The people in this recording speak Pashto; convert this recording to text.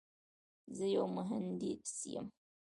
زه یو مهندس یم.